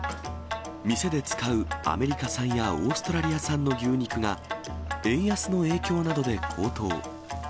店で使うアメリカ産やオーストラリア産の牛肉が、円安の影響などで高騰。